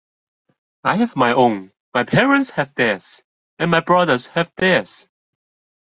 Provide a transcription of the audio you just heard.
I have my own, my parents have theirs, and my brothers have theirs.